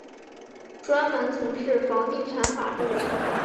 专门从事房地产法律。